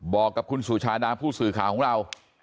บอกกับคุณสุชาดาผู้สื่อข่าวของเรา